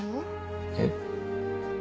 えっ。